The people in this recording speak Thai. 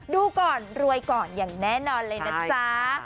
ดูก่อนรวยก่อนอย่างแน่นอนเลยนะจ๊ะ